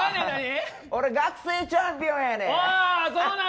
俺、学生チャンピオンやねん。